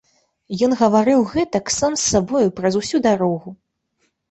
Ён гаварыў гэтак сам з сабою праз усю дарогу.